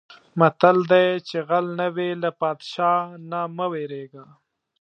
متل دی: چې غل نه وې له پادشاه نه مه وېرېږه.